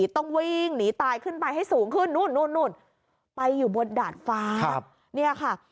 ต้องวิ่งหนีตายขึ้นไปให้สูงขึ้นนู่นไปอยู่บนดาดฟ้าเนี่ยค่ะ